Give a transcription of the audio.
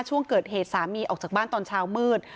ช่วงเกิดเหตุสามีออกจากบ้านตอนเช้ามืด